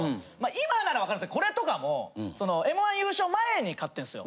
今ならわかるんですけどこれとかもその『Ｍ−１』優勝前に買ってんすよ。